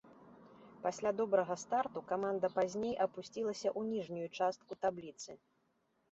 Пасля добрага старту каманда пазней апусцілася ў ніжнюю частку табліцы.